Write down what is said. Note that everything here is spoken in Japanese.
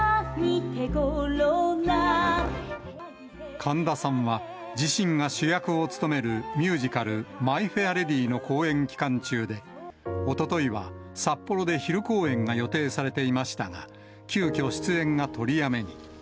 神田さんは自身が主役を務めるミュージカル、マイ・フェア・レディの公演期間中で、おとといは札幌で昼公演が予定されていましたが、急きょ出演が取りやめに。